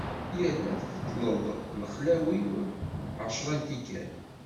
Yerna tbeddleḍ lexlaṣ-iw ɛecṛa n tikkal.